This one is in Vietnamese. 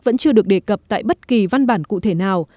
vẫn chưa được đề cập tại bất kỳ văn bản cụ thể nào